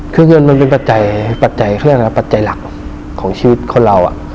คือเงินเป็นแบบประจายหลักของชีวิตของเรา